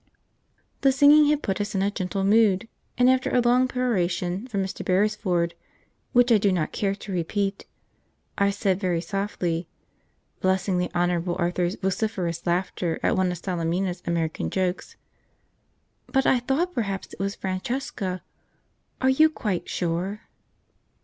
The singing had put us in a gentle mood, and after a long peroration from Mr. Beresford, which I do not care to repeat, I said very softly (blessing the Honourable Arthur's vociferous laughter at one of Salemina's American jokes), "But I thought perhaps it was Francesca. Are you quite sure?"